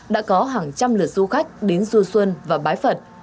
đã có hàng trăm lượt du khách đến du xuân và bái phật